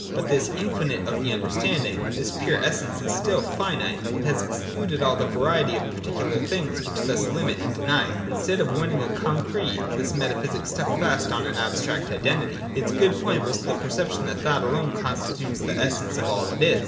But this infinite of the understanding, this pure essence, is still finite : it has excluded all the variety of particular things, which thus limit and deny it. Instead of winning a con crete, this metaphysic stuck fast on an abstract, identity. Its good point was the perception that thought alone con stitutes the essence of all that is.